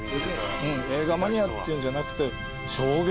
映画マニアっていうんじゃなくて衝撃。